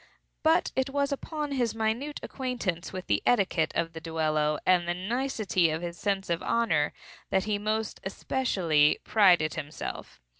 But it was upon his minute acquaintance with the etiquette of the duello, and the nicety of his sense of honor, that he most especially prided himself.